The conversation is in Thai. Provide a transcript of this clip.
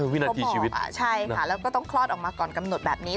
วินาทีชีวิตใช่ค่ะแล้วก็ต้องคลอดออกมาก่อนกำหนดแบบนี้